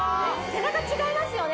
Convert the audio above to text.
背中違いますよね？